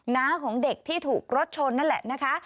น้าของเด็กที่ถูกรถชนนั่นแหละนะคะ